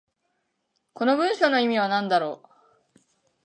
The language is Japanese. この文章の意味は何だろう。